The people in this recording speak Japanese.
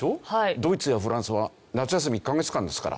ドイツやフランスは夏休み１カ月間ですから。